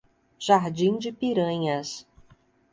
Jardim de Piranhas